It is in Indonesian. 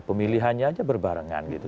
pemilihannya aja berbarengan gitu